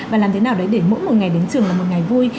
và làm thế nào đấy để mỗi một ngày đến trường là một ngày vui